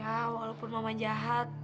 ya walaupun mama jahat